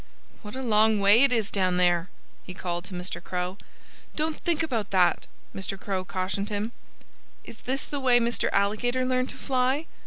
"What a long way it is down there!" he called to Mr. Crow. "Don't think about that!" Mr. Crow cautioned him. "Is this the way Mr. Alligator learned to fly?"